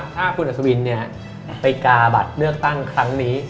ถ้าคุณอัศวินไปกาบัตรเลือกตั้งครั้งนี้